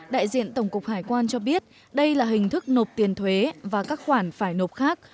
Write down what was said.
đại diện tổng cục hải quan cho biết đây là hình thức nộp tiền thuế và các khoản phải nộp khác